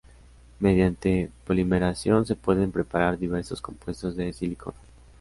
Mediante polimerización se pueden preparar diversos compuestos de silicona.